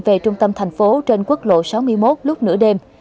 về trung tâm thành phố trên quốc lộ sáu mươi một lúc nửa đêm